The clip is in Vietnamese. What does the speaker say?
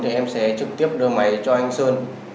thì em sẽ trực tiếp đưa máy cho anh sơn